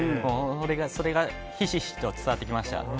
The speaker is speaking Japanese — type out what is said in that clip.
それがひしひしと伝わってきました。